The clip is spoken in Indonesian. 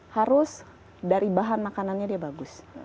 harus dari bahan makanannya dia bagus